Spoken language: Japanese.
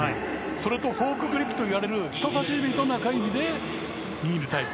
それとフォークグリップといわれる人差し指と中指で握るタイプ。